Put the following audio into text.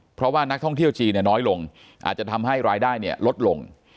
เพราะว่านักท่องเที่ยวจีนน้อยลงอาจจะทำให้รายได้ลดลง